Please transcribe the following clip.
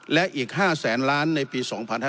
และอีก๕๐๐๐๐๐ล้านในปี๒๕๖๔